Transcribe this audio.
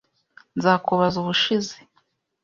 Nzakubaza ubushize.